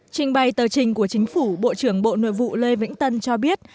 trình bày tờ trình của chính phủ bộ trưởng bộ nội vụ lê vĩnh tân cho biết